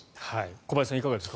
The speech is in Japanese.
小林さん、いかがですか。